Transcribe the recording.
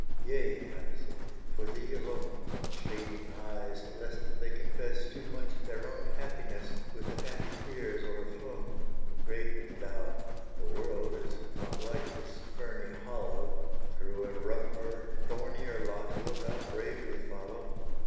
"Yea," I said, "for thee alone," Shading eyes lest they confess Too much their own happiness, With the happy tears o'erflown. Gravely thou "The world is not Like this ferny hollow Through a rougher, thornier lot Wilt thou bravely follow?"